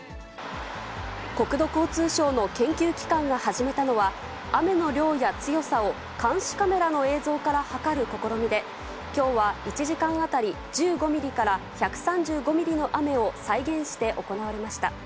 国土交通省の研究機関が始めたのは、雨の量や強さを監視カメラの映像から測る試みで、きょうは１時間当たり１５ミリから１３５ミリの雨を再現して行われました。